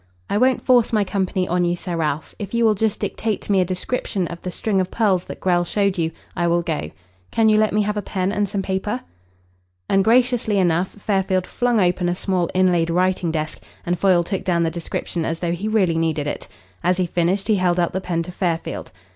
"I won't force my company on you, Sir Ralph. If you will just dictate to me a description of the string of pearls that Grell showed you, I will go. Can you let me have a pen and some paper?" Ungraciously enough Fairfield flung open a small inlaid writing desk, and Foyle took down the description as though he really needed it. As he finished he held out the pen to Fairfield.